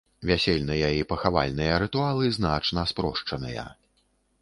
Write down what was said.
Вясельныя і пахавальныя рытуалы значна спрошчаныя.